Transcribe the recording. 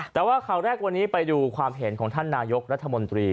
แต่ว่าข่าวแรกวันนี้ไปดูความเห็นของท่านนายกรัฐมนตรี